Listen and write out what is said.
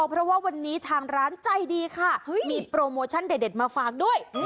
เพราะว่าวันนี้ทางร้านใจดีค่ะมีโปรโมชั่นเด็ดมาฝากด้วย